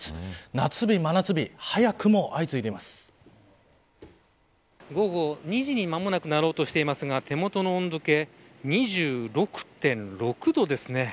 夏日、真夏日午後２時に間もなくなろうとしていますが手元の温度計２６．６度ですね。